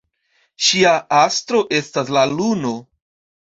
Ŝia astro estas la luno.